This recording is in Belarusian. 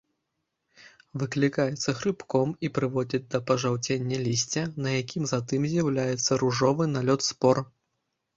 Выклікаецца грыбком і прыводзіць да пажаўцення лісця, на якім затым з'яўляецца ружовы налёт спор.